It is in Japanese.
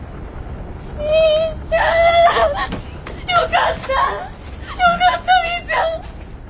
よかったよかったみーちゃん。